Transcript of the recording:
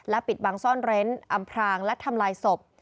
ปิดบังซ่อนเร้นอำพรางและทำลายศพ